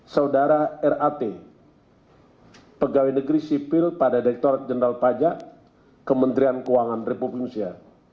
saudara rat pegawai negeri sipil pada direkturat jenderal pajak kementerian keuangan republik indonesia